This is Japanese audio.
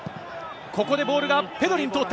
ここでボールがペドリに通った。